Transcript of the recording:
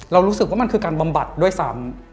รู้สึกว่ามันคือการบำบัดด้วยซ้ำ